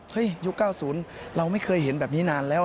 ยุค๙๐เราไม่เคยเห็นแบบนี้นานแล้ว